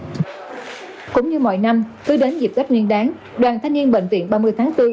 cũng như mọi năm cứ đến dịp tết nguyên đáng đoàn thanh niên bệnh viện ba mươi tháng bốn